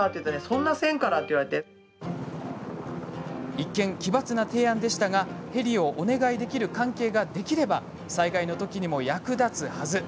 一見、奇抜な提案でしたがヘリをお願いできる関係ができれば、災害のときにも役立つはず。